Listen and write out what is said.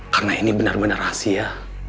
karena ini benar benar rahasia